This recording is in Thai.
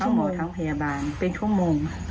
หมอทั้งพยาบาลเป็นชั่วโมง